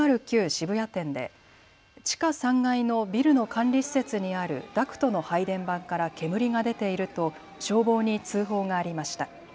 渋谷店で地下３階のビルの管理施設にあるダクトの配電盤から煙が出ていると消防に通報がありました。